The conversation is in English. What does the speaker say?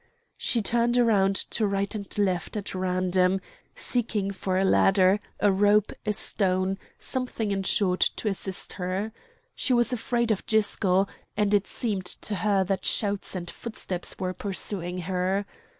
She turned round to right and left at random, seeking for a ladder, a rope, a stone, something in short to assist her. She was afraid of Gisco, and it seemed to her that shouts and footsteps were pursuing her.